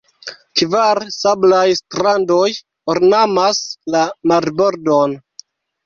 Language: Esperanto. Kvar sablaj strandoj ornamas la marbordon.